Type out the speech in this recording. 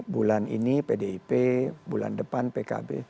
bulan ini pdip bulan depan pkb